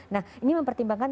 nah ini mempertimbangkan